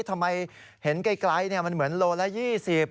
ทำไมเห็นไกลมันเหมือนโลละ๒๐